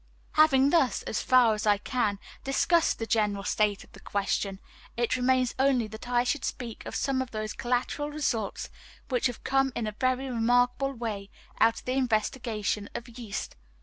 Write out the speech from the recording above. Having thus, as far as I can, discussed the general state of the question, it remains only that I should speak of some of those collateral results which have come in a very remarkable way out of the investigation of yeast.